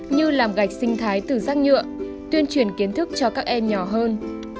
như làm gạch sinh thái từ rác nhựa tuyên truyền kiến thức cho các em nhỏ hơn